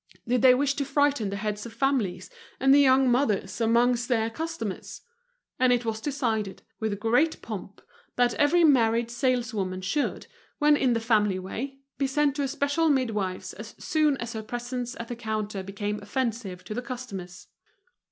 Did they wish to frighten the heads of families and the young mothers amongst their customers? And it was decided, with great pomp, that every married saleswoman should, when in the family way, be sent to a special midwife's as soon as her presence at the counter became Offensive to the customers.